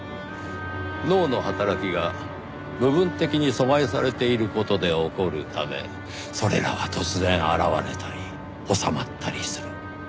脳の働きが部分的に阻害されている事で起こるためそれらは突然現れたり治まったりする。